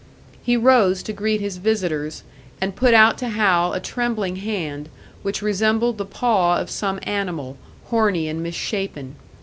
He rose to greet his visitors, and put out to Hal a trembling hand, which resembled the paw of some animal, horny and misshapen.